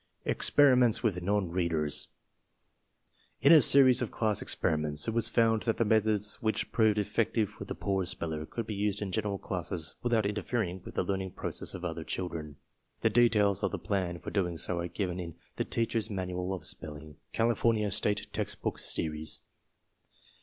EXPERIMENTS WITH NON READERS In a series of class experiments, it was found that the methods which proved effective with the poor speller could be used in general classes without interfering with the learning process of other children. The details of the plan for doing this are given in The Teacher's Manual of Spelling, California State Textbook Series.